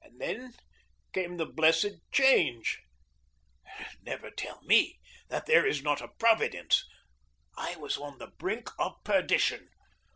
And then came the blessed change. Never tell me that there is not a Providence! I was on the brink of perdition.